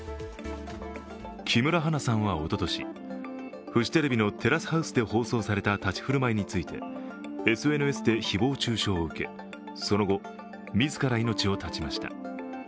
木村花さんはおととし、フジテレビの「テラスハウス」で放送された立ち居振る舞いについてＳＮＳで誹謗中傷をうけその後、自ら命を絶ちました。